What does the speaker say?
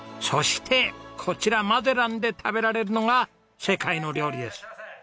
そしてこちらマゼランで食べられるのが世界の料理です。